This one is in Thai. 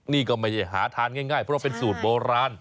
นี่ก็ไม่ได้หาทานง่ายเพราะว่าเป็นสูตรโบราณ